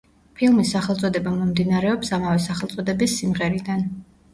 ფილმის სახელწოდება მომდინარეობს ამავე სახელწოდების სიმღერიდან.